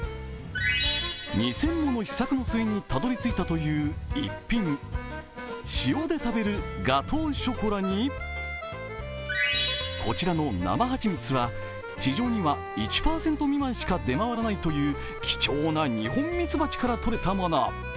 ２０００もの試作の末にたどりついたという一品、塩で食べるガトーショコラに、こちらの生蜂蜜は市場には１％未満しか出回らないという貴重なニホンミツバチからとれたもの。